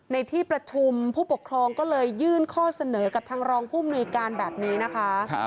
ในที่ประชุมผู้ปกครองก็เลยยื่นข้อเสนอกับทางรองผู้มนุยการแบบนี้นะคะ